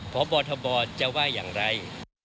พบทบจะว่าอย่างไร